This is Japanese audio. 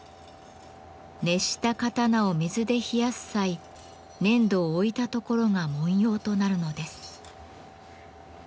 熱した刀を水で冷やす際粘土を置いた所が文様となるのです。